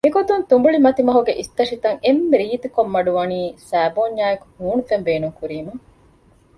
މިގޮތުން ތުނބުޅި މަތިމަހުގެ އިސްތަށިތައް އެންމެ ރީތިކޮށް މަޑުވަނީ ސައިބޯންޏާއެކު ހޫނުފެން ބޭނުން ކުރީމަ